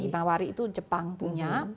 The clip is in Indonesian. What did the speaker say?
himawari itu jepang punya